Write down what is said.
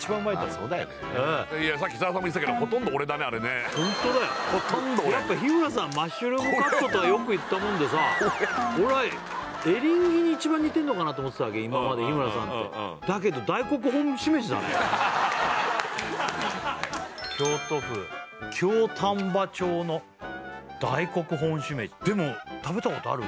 さっき設楽さんも言ってたけどほとんど俺だねあれねホントだよほとんど俺やっぱ日村さんマッシュルームカットとはよく言ったもんでさ俺はわけ今まで日村さんって京都府京丹波町の大黒本しめじでも食べたことある？